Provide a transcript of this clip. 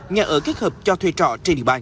nhà ở kết hợp cho thuê trọ trên địa bàn